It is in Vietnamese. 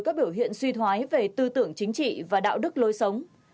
các biểu hiện suy thoái về tư tưởng chính trị và đạo đức lối sống